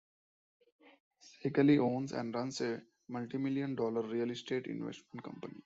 Seikaly owns and runs a multi-million-dollar real estate investment company.